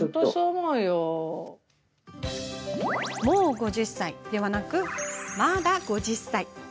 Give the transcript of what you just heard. もう５０歳ではなくまだ５０歳。